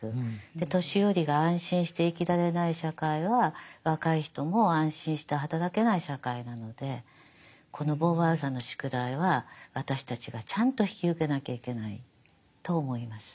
年寄りが安心して生きられない社会は若い人も安心して働けない社会なのでこのボーヴォワールさんの宿題は私たちがちゃんと引き受けなきゃいけないと思います。